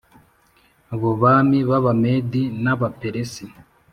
bo bami b Abamedi n Abaperesi